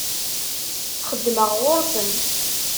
Xeddmeɣ ɣur-sen.